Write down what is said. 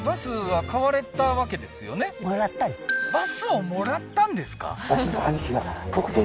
そうへえーバスをもらったんですか？